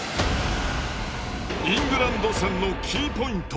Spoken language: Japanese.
イングランド戦のキーポイント。